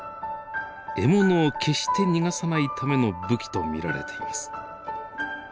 獲物を決して逃がさないための武器と見られています。